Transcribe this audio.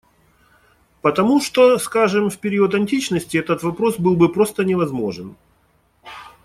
Потому, что, скажем, в период античности этот вопрос был бы просто невозможен.